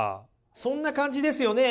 そんな感じですよね。